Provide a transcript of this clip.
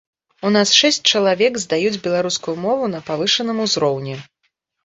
У нас шэсць чалавек здаюць беларускую мову на павышаным узроўні.